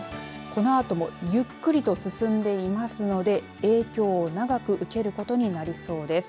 このあともゆっくりと進んでいますので影響を長く受けることになりそうです。